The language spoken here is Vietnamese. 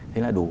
thế là đủ